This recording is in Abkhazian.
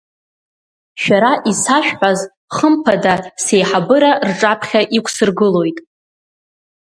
Шәара исашәҳәаз хымԥада сеиҳабыра рҿаԥхьа иқәсыргылоит.